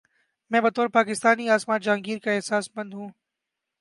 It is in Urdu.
میں بطور پاکستانی عاصمہ جہانگیر کا احساس مند ہوں۔